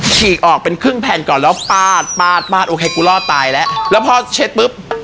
ฉีกออกเป็นครึ่งแผ่นก่อนแล้วปาดปาดโอเคกูรอดตายแล้วแล้วพอเช็ดปุ๊บ